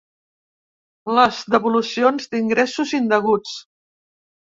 Les devolucions d’ingressos indeguts.